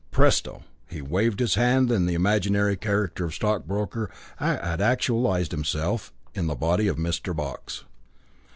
Presto!" He waved his hand and the imaginary character of the stockbroker had actualised himself in the body of Mr. Box.